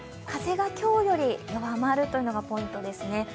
風が今日より弱まるというのがポイントですね。